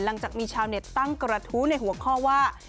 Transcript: หลังจากมีชาวเน็ตตั้งกระทู้ในหัวข้อว่า